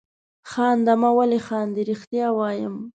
خانده مه ولې خاندې؟ رښتیا وایم.